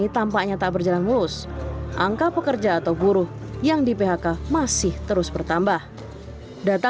tampaknya tak berjalan mulus angka pekerja atau buruh yang di phk masih terus bertambah data